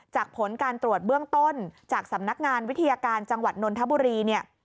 ผลการตรวจเบื้องต้นจากสำนักงานวิทยาการจังหวัดนนทบุรีเนี่ย